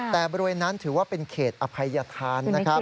แต่บริเวณนั้นถือว่าเป็นเขตอภัยธานนะครับ